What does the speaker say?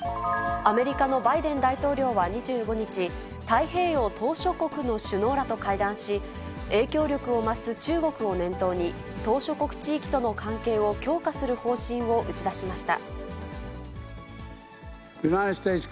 アメリカのバイデン大統領は２５日、太平洋島しょ国の首脳らと会談し、影響力を増す中国を念頭に、島しょ国地域との関係を強化する方針を打ち出しました。